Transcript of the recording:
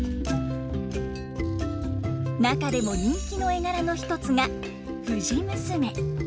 中でも人気の絵柄の一つが藤娘。